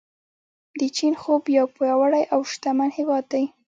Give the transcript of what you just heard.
د چین خوب یو پیاوړی او شتمن هیواد دی.